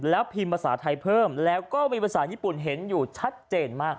แล้วพิมพ์ภาษาไทยเพิ่มแล้วก็มีภาษาญี่ปุ่นเห็นอยู่ชัดเจนมาก